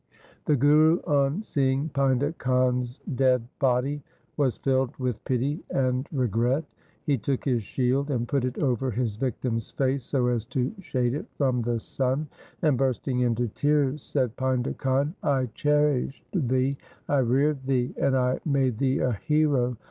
The Guru, on seeing Painda Khan's dead body, was filled with pity and regret. He took his shield, and put it over his victim's face so as to shade it from the sun, and bursting into tears, said, ' Painda Khan, I cherished thee, I reared thee, and I made thee a hero.